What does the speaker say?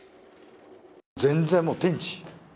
全然もう天地。